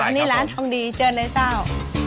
อันนี้ร้านทองดีเจอเลยเจ้า